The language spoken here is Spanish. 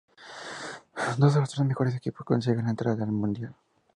Donde los tres mejores equipos consiguen la entrada al mundial.